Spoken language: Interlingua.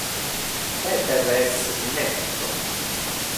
Peter es mi nepto.